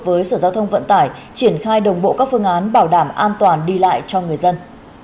với sở giao thông vận tải triển khai đồng bộ các phương án bảo đảm an toàn đi lại cho người dân